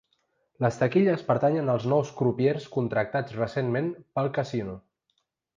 Les taquilles pertanyen als nous crupiers contractats recentment pel casino.